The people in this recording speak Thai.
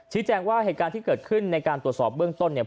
แจ้งว่าเหตุการณ์ที่เกิดขึ้นในการตรวจสอบเบื้องต้นเนี่ย